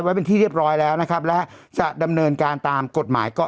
ไว้เป็นที่เรียบร้อยแล้วนะครับและจะดำเนินการตามกฎหมายก็